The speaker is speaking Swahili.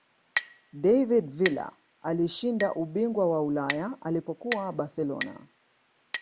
david villa alishinda ubingwa wa ulaya alipokuwa barcelona